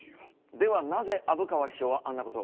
ではなぜ虻川秘書はあんなことを？